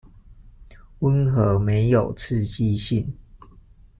溫和沒有刺激性